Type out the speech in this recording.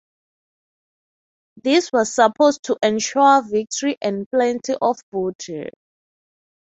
This was supposed to ensure victory and plenty of booty.